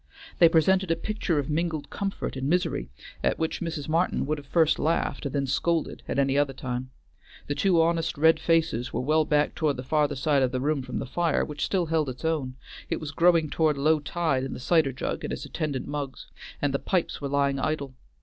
They presented a picture of mingled comfort and misery at which Mrs. Martin would have first laughed and then scolded at any other time. The two honest red faces were well back toward the farther side of the room from the fire, which still held its own; it was growing toward low tide in the cider jug and its attendant mugs, and the pipes were lying idle.